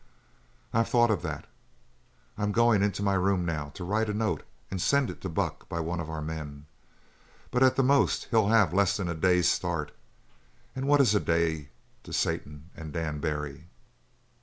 "I've thought of that. I'm going into my room now to write a note and send it to Buck by one of our men. But at the most he'll have less than a day's start and what is a day to Satan and Dan Barry?"